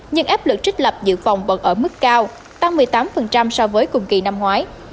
nhưng áp lực trích lập dự phòng vẫn ở mức cao tăng một mươi tám so với cùng kỳ năm ngoái